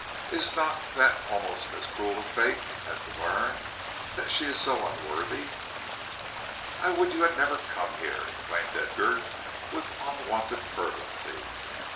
Is not that almost as cruel a fate as to learn that she is so unworthy?" "I would you had never come here!" exclaimed Edgar, with unwonted fervency.